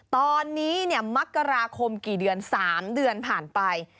ตอนนี้มักกราคมกี่เดือน๓เดือนผ่านไป